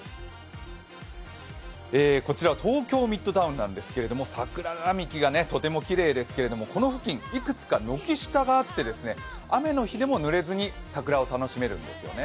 こちらは東京ミッドタウンなんですけど桜並木がとてもきれいですけどこの付近いくつか軒下があって雨の日でもぬれずに、桜を楽しめるんですよね。